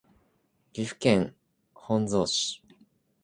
岐阜県本巣市